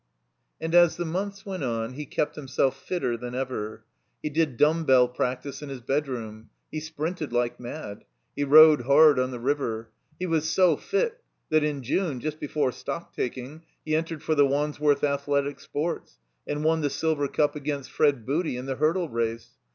And as the months went on he kept himself fitter than ever. He did dtmib bell practice in his bed room. He sprinted like mad. He rowed hard on the river. He was so fit that in June (just before stock taking) he entered for the Wandsworth Athletic Sports, and won the silver cup against Fred Booty in the Hurdle Race.